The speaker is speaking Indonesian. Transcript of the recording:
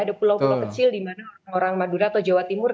ada pulau pulau kecil dimana orang madura atau jawa timur